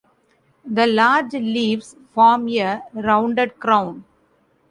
The large leaves form a rounded crown.